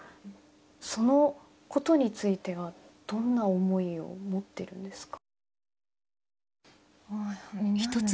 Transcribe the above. そのことについてはどんな思いを持っているんですか。